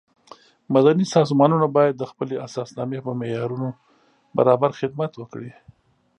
مدني سازمانونه باید د خپلې اساسنامې په معیارونو برابر خدمت وکړي.